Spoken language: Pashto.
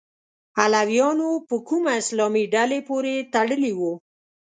علویانو په کومه اسلامي ډلې پورې تړلي وو؟